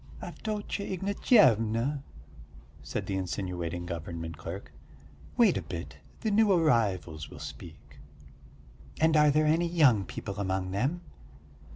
"Avdotya Ignatyevna," said the insinuating government clerk, "wait a bit, the new arrivals will speak." "And are there any young people among them?"